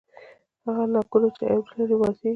هغه لاکونه چې عیب نه لري ماتېږي.